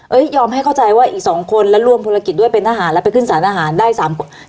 ยอมให้เข้าใจว่าอีก๒คนแล้วรวมธุรกิจด้วยเป็นทหารแล้วไปขึ้นสารทหารได้๓คน